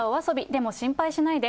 でも心配しないで。